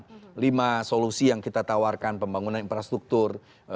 ada lima solusi yang kita tawarkan pembangunan infrastruktur